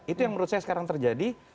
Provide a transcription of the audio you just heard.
itu yang menurut saya sekarang terjadi